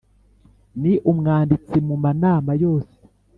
Ni umwanditsi mu ma nama yose